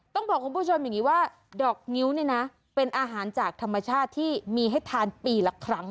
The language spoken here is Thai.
ต้องบอกคุณผู้ชมอย่างนี้ว่าดอกงิ้วเนี่ยนะเป็นอาหารจากธรรมชาติที่มีให้ทานปีละครั้ง